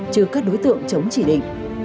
chứ các đối tượng chống chỉ định